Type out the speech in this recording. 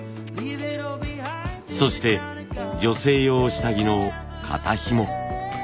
そして女性用下着の肩ひも。